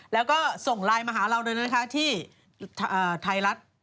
แล้วก็ส่งไลน์มาหาเราเลยนะคะที่ไทยรัฐ